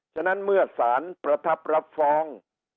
ฉะนั้นเมื่อสารประทับรับฟ้อง